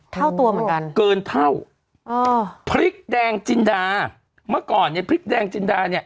เท่าตัวเหมือนกันเกินเท่าอ๋อพริกแดงจินดาเมื่อก่อนเนี่ยพริกแดงจินดาเนี่ย